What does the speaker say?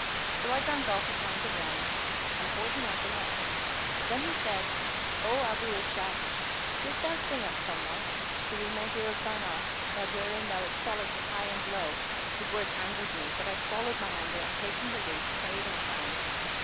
So I drank off a pint of wine and poured him out the like. Then said he, "O Abu Ishak, wilt thou sing us somewhat, so we may hear of thine art that wherein thou excellest high and low?" His words angered me; but I swallowed my anger and taking the lute played and sang.